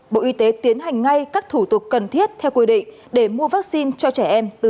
bộ y tế tiến hành ngay các thủ tục cần thiết theo quy định để mua vaccine cho trẻ em từ